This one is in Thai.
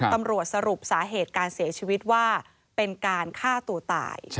สรุปสาเหตุการเสียชีวิตว่าเป็นการฆ่าตัวตาย